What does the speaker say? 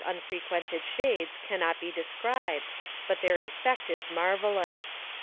71 unfrequented shades can not be described, but their effect is marvelous.